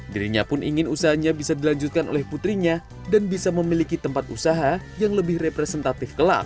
dirinya pun ingin usahanya bisa dilanjutkan oleh putrinya dan bisa memiliki tempat usaha yang lebih representatif kelak